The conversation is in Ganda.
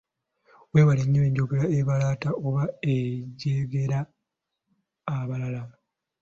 Weewale nnyo enjogera ebalaata oba ejerega abalala.